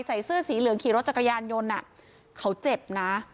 ใส่เสื้อสีเหลืองขี่รถจักรยานยนต์เขาเจ็บนะ